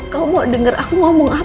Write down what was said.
kamu mau denger aku ngomong apa pa